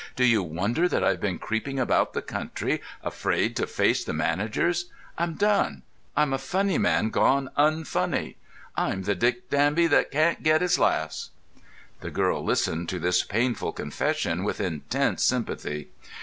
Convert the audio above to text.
Do you wonder that I've been creeping about the country, afraid to face the managers? I'm done. I'm a funny man gone unfunny. I'm the Dick Danby that can't get his laughs." The girl listened to this painful confession with intense sympathy.